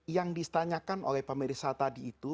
yang ditanyakan oleh pemirsa tadi itu